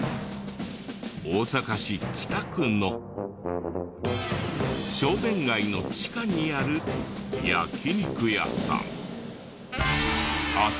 大阪市北区の商店街の地下にある焼肉屋さん。